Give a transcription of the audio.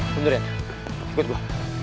tundur ian ikut gua